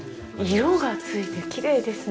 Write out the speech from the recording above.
色がついてきれいですね。